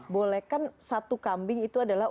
bolehkan satu kambing itu adalah